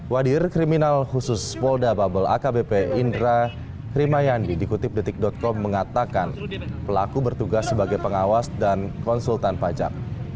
wadir kriminal khusus polda bubble akbp indra krimayandi dikutip detik com mengatakan pelaku bertugas sebagai pengawas dan konsultan pajak